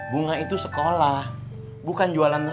jangan lupa like share dan subscribe ya